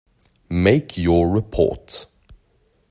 Make your report.